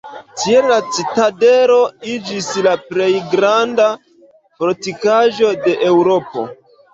Tiel la citadelo iĝis la plej granda fortikaĵo de Eŭropo.